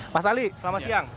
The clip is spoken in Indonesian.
mas ali selamat siang